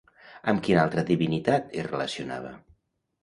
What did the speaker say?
Amb quina altra divinitat es relacionava?